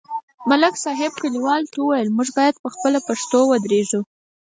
ملک صاحب کلیوالو ته وویل: موږ باید په خپلو پښو ودرېږو